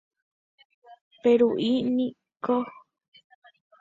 Peru'i niko hasẽrãngue, opuka omanóta.